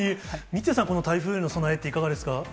三屋さん、この台風への備えって、いかがですか。